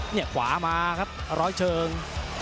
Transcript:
ขวามาครับร้อยเชิง